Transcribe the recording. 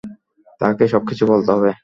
তাকে সবকিছু বলতে হবে।